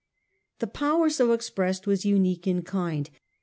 The power so expressed was unique in kind.